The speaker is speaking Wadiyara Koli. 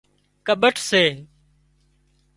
ڪٻٺ سي